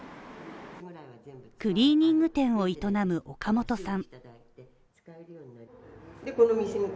クリーニング店を営む岡本さん